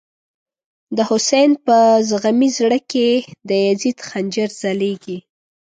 د «حسین» په زغمی زړه کی، د یزید خنجر ځلیږی